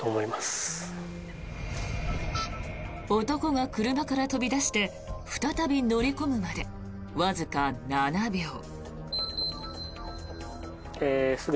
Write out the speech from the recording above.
男が車から飛び出して再び乗り込むまでわずか７秒。